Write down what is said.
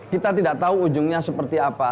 kita tidak tahu ujungnya seperti apa